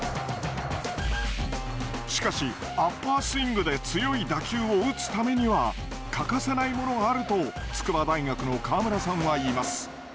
しかしアッパースイングで強い打球を打つためには欠かせないものがあると筑波大学の川村さんは言います。